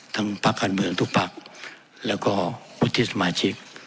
ทั้งภาคการเมืองทุกภาคแล้วก็มุฒิสมาชิก